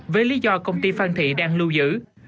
với lý do công ty phan thị đang lưu giữ